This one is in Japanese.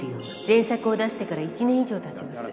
前作を出してから１年以上たちます